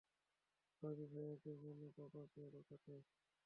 ভাবি, ভাইয়াকে বলো পাপাকে পটাতে।